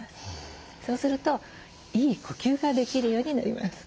そうするといい呼吸ができるようになります。